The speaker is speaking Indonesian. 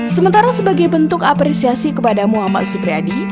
sementara sebagai bentuk apresiasi kepada muhammad supriyadi